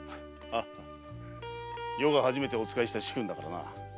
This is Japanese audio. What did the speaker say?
余が初めてお仕えした主君だからな。